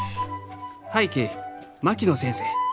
「拝啓槙野先生。